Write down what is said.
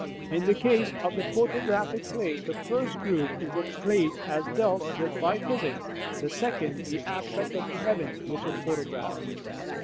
In the case of the photographic plate, the first group is the plate as dealt with by physics, the second the aspect of the heavens which it photographs.